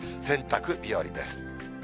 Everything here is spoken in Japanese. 洗濯日和です。